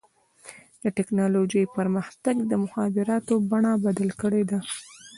د ټکنالوجۍ پرمختګ د مخابراتو بڼه بدله کړې ده.